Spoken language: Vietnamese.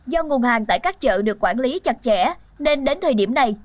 do nguồn hàng tại các chợ được quản lý chặt chẽ nên đến thời điểm này